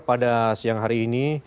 pada siang hari ini